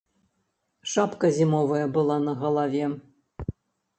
Шапка зімовая была на галаве.